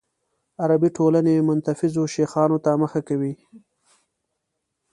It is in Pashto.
عربي ټولنې متنفذو شیخانو ته مخه کوي.